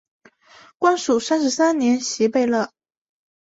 光绪三十三年袭贝勒。